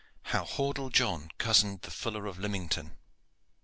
HOW HORDLE JOHN COZENED THE FULLER OF LYMINGTON.